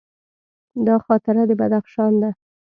دا خاطره د بدخشان ده.